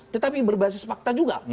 tetapi berbasis fakta juga